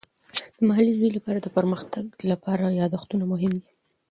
د محلي زوی لپاره د پرمختګ لپاره یادښتونه مهم دي.